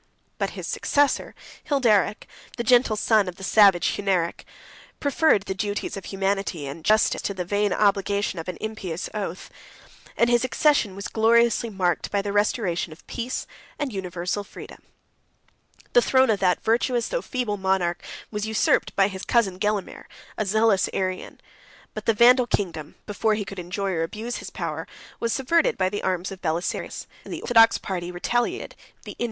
But his successor, Hilderic, the gentle son of the savage Hunneric, preferred the duties of humanity and justice to the vain obligation of an impious oath; and his accession was gloriously marked by the restoration of peace and universal freedom. The throne of that virtuous, though feeble monarch, was usurped by his cousin Gelimer, a zealous Arian: but the Vandal kingdom, before he could enjoy or abuse his power, was subverted by the arms of Belisarius; and the orthodox party retaliated the injuries which they had endured.